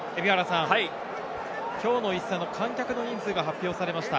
きょうの一戦、観客の人数が発表されました。